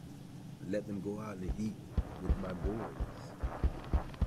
Let them go out and eat with my boys.